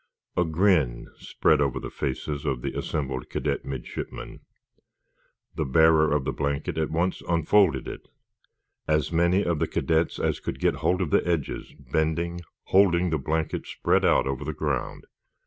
A grin spread over the faces of the assembled cadet midshipmen. The bearer of the blanket at once unfolded it. As many of the cadets as could got hold of the edges, bending, holding the blanket spread out over the ground.